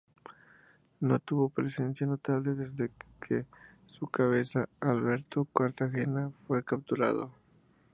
No tuvo presencia notable desde que su cabeza, Alberto Cartagena, fue capturado.